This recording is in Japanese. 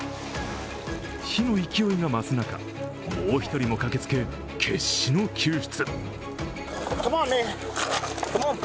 火の勢いが増す中、もう１人も駆けつけ、決死の救出。